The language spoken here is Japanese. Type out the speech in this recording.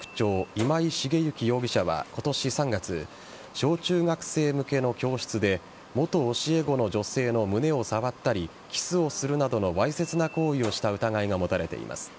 今井茂幸容疑者は今年３月小中学生向けの教室で元教え子の女性の胸を触ったりキスをするなどのわいせつな行為をした疑いが持たれています。